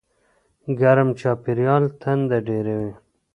ګرم چاپېریال تنده ډېروي.